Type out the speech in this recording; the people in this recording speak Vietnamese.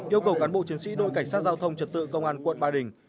yêu cầu cán bộ chiến sĩ đội cảnh sát giao thông trật tự công an quận ba đình